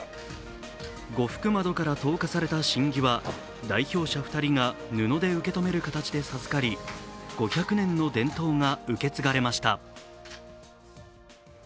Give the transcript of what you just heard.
御福窓から投下された宝木は代表者２人が布で受け取る形で授かり５００年の伝統が受け継がれました。